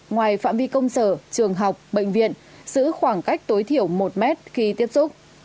ngoài phạm vi công sở trường học bệnh viện giữ khoảng cách tối thiểu một mét khi tiếp xúc